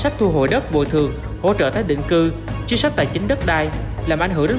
sách thu hồi đất bồi thường hỗ trợ tái định cư chính sách tài chính đất đai làm ảnh hưởng đến